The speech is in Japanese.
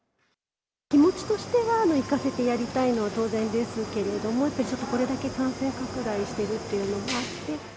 気持ちとしては行かせてやりたいのは当然ですけれども、ちょっとこれだけ感染拡大しているっていうのもあって。